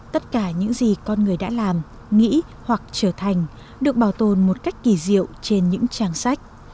tất cả những gì con người đã làm nghĩ hoặc trở thành được bảo tồn một cách kỳ diệu trên những trang sách